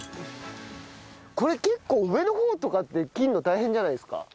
これ結構上の方とかって切るの大変じゃないですか？